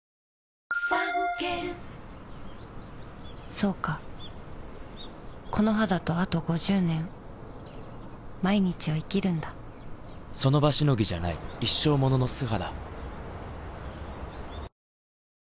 そうかこの肌とあと５０年その場しのぎじゃない一生ものの素肌